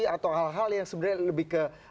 atau hal hal yang sebenarnya lebih ke